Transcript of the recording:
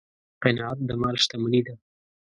قناعت د مال شتمني ده.